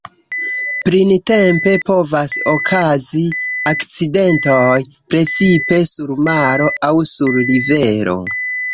Printempe povas okazi akcidentoj, precipe sur maro aŭ sur rivero.